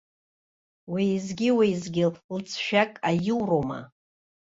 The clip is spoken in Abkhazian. Уеизгьы-уеизгьы лҵшәак аиуроума.